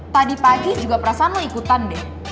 tadi pagi juga perasaan mau ikutan deh